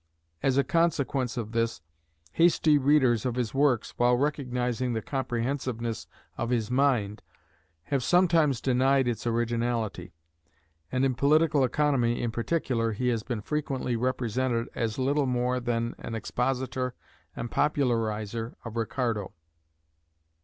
As a consequence of this, hasty readers of his works, while recognizing the comprehensiveness of his mind, have sometimes denied its originality; and in political economy in particular he has been frequently represented as little more than an expositor and popularizer of Ricardo.